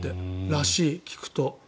らしい、聞くと。